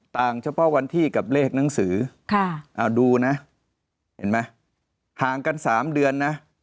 ต่างเฉพาะวันที่กับเลขหนังสือค่ะเอาดูนะเห็นไหมห่างกันสามเดือนนะ